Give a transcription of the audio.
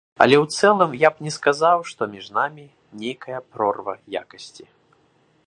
Але ў цэлым, я б не сказаў, што між намі нейкая прорва якасці.